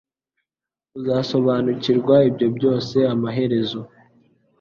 Uzasobanukirwa ibyo byose amaherezo